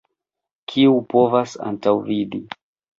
Kiu povas antaŭvidi!